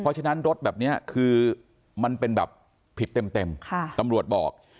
เพราะฉะนั้นรถแบบนี้คือมันเป็นแบบผิดเต็มตำรวจบอก